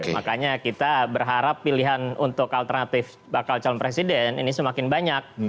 makanya kita berharap pilihan untuk alternatif bakal calon presiden ini semakin banyak